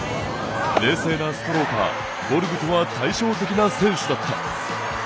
冷静なストローカーボルグとは対照的な選手だった。